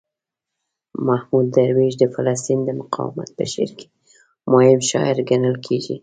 محمود درویش د فلسطین د مقاومت په شعر کې مهم شاعر ګڼل کیږي.